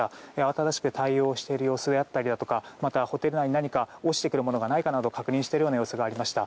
新しく対応している様子だったりまた、ホテル内に何か落ちてくるものがないかなど確認している様子がありました。